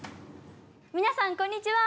皆さんこんにちは。